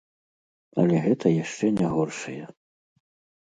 Але гэта яшчэ не горшае.